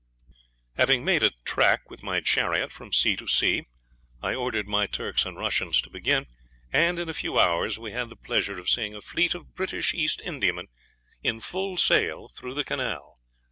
Having made a track with my chariot from sea to sea, I ordered my Turks and Russians to begin, and in a few hours we had the pleasure of seeing a fleet of British East Indiamen in full sail through the canal.